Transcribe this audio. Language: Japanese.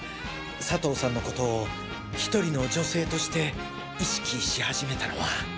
佐藤さんのことを一人の女性として意識し始めたのは。